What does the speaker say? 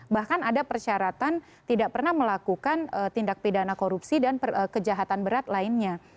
bahkan ada persyaratan tidak pernah melakukan tindak pidana korupsi dan kejahatan berat lainnya